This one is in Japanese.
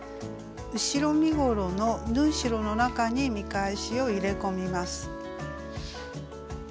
後ろ身ごろの縫い代の中に見返しを入れ込みます。